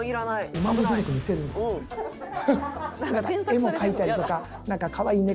絵も描いたりとかなんか可愛い猫